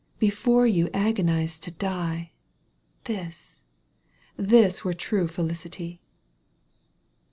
Before you agonized to die — This, this were true felicity